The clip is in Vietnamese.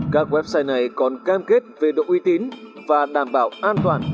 các website này còn cam kết về độ uy tín và đảm bảo an toàn